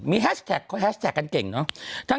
มีแฮชแท็กเขาแฮชแท็กกันเก่งเนอะ